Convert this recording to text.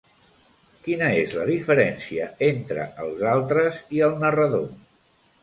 Quina és la diferència entre els altres i el narrador?